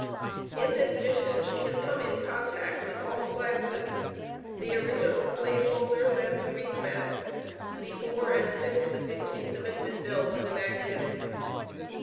In this mission, she has come in contact with all classes the original slaveholders and the Freedmen, before and since the Fifteenth Amendment bill was enacted.